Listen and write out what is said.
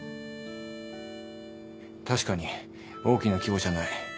確かに大きな規模じゃない。